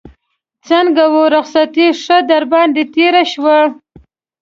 څنګه وه رخصتي ښه در باندې تېره شوه.